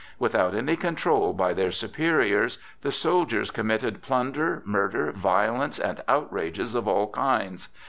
Without any control by their superiors, the soldiers committed plunder, murder, violence, and outrages of all kinds.